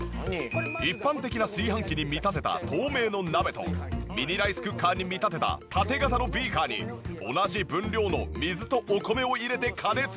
一般的な炊飯器に見立てた透明の鍋とミニライスクッカーに見立てた縦型のビーカーに同じ分量の水とお米を入れて加熱。